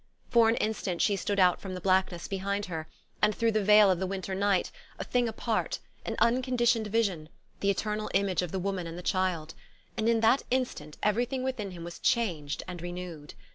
For an instant she stood out from the blackness behind her, and through the veil of the winter night, a thing apart, an unconditioned vision, the eternal image of the woman and the child; and in that instant everything within him was changed and renewed.